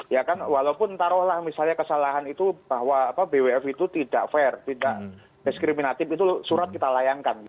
ya kan walaupun taruhlah misalnya kesalahan itu bahwa bwf itu tidak fair tidak diskriminatif itu surat kita layankan